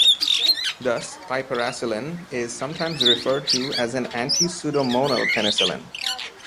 Thus piperacillin is sometimes referred to as an "anti-pseudomonal penicillin".